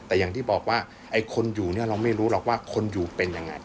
แต่อย่างที่บอกว่าไอ้คนอยู่เนี่ยเราไม่รู้หรอกว่าคนอยู่เป็นยังไง